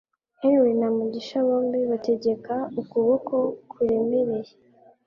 Henry na Mugisha bombi bategekaga ukuboko kuremereye